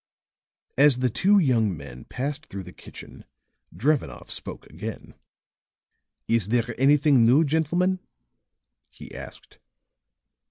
As the two young men passed through the kitchen Drevenoff spoke again. "Is there anything new, gentlemen?" he asked.